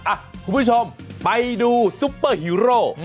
คุณผู้ชมไปดูซุปเปอร์ฮีโร่